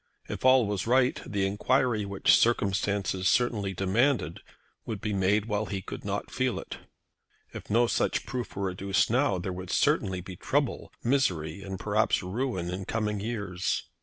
If all was right the enquiry which circumstances certainly demanded would be made while he could not feel it. If no such proof were adduced now there would certainly be trouble, misery, and perhaps ruin in coming years.